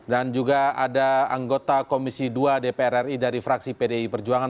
dan juga ada anggota komisi dua dpr ri dari fraksi pdi perjuangan